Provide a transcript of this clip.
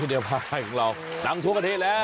อันนี้เป็นปลายของเรานางทั่วประเทศแล้ว